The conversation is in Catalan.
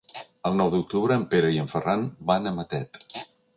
El nou d'octubre en Pere i en Ferran van a Matet.